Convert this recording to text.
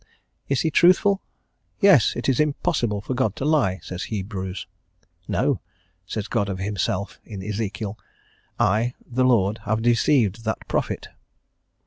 Is He truthful? "Yes; it is impossible for God to lie," says Hebrews. "No," says God of Himself, in Ezekiel. "I, the Lord, have deceived that prophet."